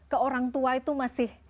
ke orang tua itu masih